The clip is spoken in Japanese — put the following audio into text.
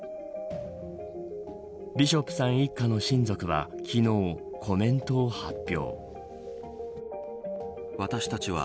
ビショップさん一家の親族は昨日コメントを発表。